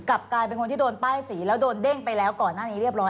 กลับกลายเป็นคนที่โดนป้ายสีแล้วโดนเด้งไปแล้วก่อนหน้านี้เรียบร้อย